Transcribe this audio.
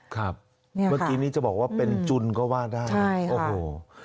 ครับเมื่อกี้นี้จะบอกว่าเป็นจุนก็ว่าได้โอ้โห